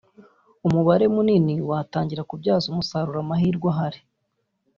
umubare munini watangira kubyaza umusaruro amahirwe ahari